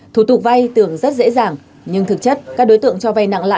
thủ tục vai tưởng rất dễ dàng nhưng thực chất các đối tượng cho vai nặng